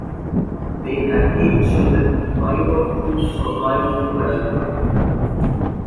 They had eight children, five of whom survived to adulthood.